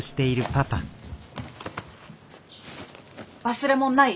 忘れ物ない？